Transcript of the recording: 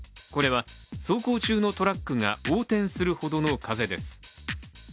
これは、走行中のトラックが横転するほどの風です。